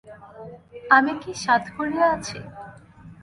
আমি কি সাধ করিয়া আছি!